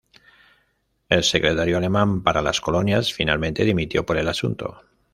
El secretario alemán para las colonias finalmente dimitió por el asunto.